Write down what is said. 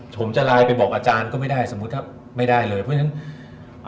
ผมจะไลน์ไปบอกอาจารย์ก็ไม่ได้สมมุติครับไม่ได้เลยเพราะฉะนั้น